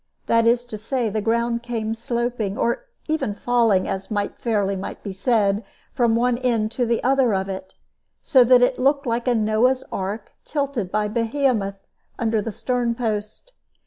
That is to say, the ground came sloping, or even falling, as fairly might be said, from one end to the other of it, so that it looked like a Noah's ark tilted by Behemoth under the stern post.